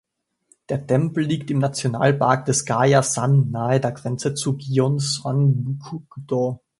Der Tempel liegt im Nationalpark des Gaya-san nahe der Grenze zu Gyeongsangbuk-do.